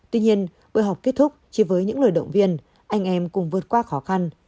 tuy nhiên buổi họp kết thúc chỉ với những lời động viên anh em cùng vượt qua khó khăn